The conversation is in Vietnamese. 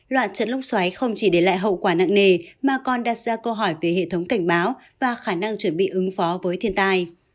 loạt trận lốc xoáy không chỉ để lại hậu quả nặng nề mà còn đặt ra câu hỏi về hệ thống cảnh báo và khả năng chuẩn bị ứng phó với thiên tai